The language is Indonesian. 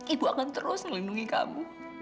ibu akan terus melindungi kamu